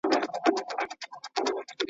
ضایع شوی وخت بېرته نه راځي.